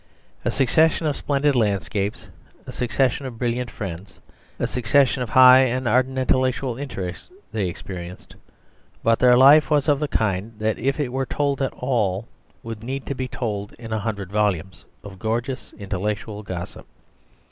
A succession of splendid landscapes, a succession of brilliant friends, a succession of high and ardent intellectual interests, they experienced; but their life was of the kind that if it were told at all, would need to be told in a hundred volumes of gorgeous intellectual gossip.